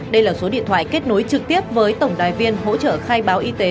đây là số điện thoại kết nối trực tiếp với tổng đài viên hỗ trợ khai báo y tế